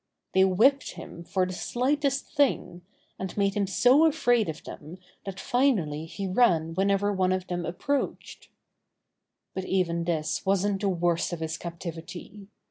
They whipped him for the slightest thing, and made him so afraid of them that finally he ran whenever one of them approached. But even this wasn't the worst of his captiv ity.